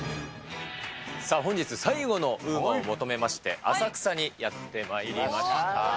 さあ、本日最後のＵＭＡを求めまして、浅草にやってまいりました。